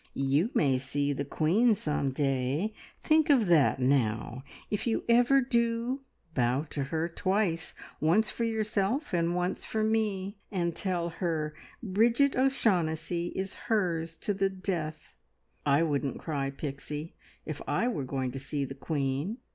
You may see the queen some day! Think of that, now! If you ever do, bow to her twice once for yourself, and once for me and tell her Bridget O'Shaughnessy is hers to the death. I wouldn't cry, Pixie, if I were going to see the queen!"